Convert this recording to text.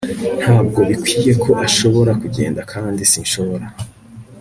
Ntabwo bikwiye ko ashobora kugenda kandi sinshobora